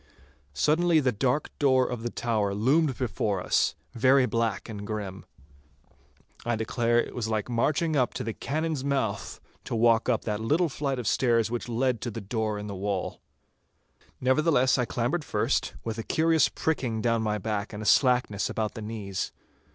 Suddenly the dark door of the tower loomed before us, very black and grim. I declare it was like marching up to the cannon's mouth to walk up that little flight of stairs which led to the door in the wall. Nevertheless, I clambered first, with a curious pricking down my back and a slackness about the knees.